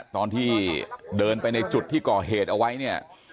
ตอนที่เดินไปในจุดที่ก่อเหตุเอาไว้เนี่ย